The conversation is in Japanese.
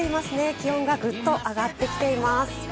気温がぐっと上がってきています。